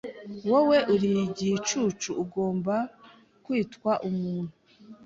Wowe uri igicucu ugomba kwitwa umuntu